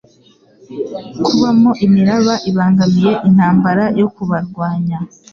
kubamo imiraba ibangamiye intambara yo kubarwanya